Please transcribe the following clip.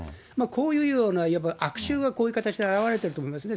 こういうようないわば悪習がこういう形で表れてると思いますね。